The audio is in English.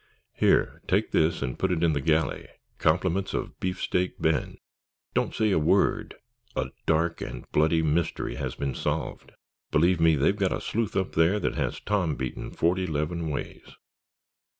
"Here, take this and put it in the galley, compliments of Beefsteak Ben.... Don't say a word, a dark and bloody mystery has been solved. Believe me, they've got a sleuth up there that has Tom beaten forty 'leven ways."